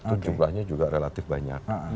itu jumlahnya juga relatif banyak